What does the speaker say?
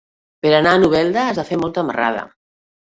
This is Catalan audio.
Per anar a Novelda has de fer molta marrada.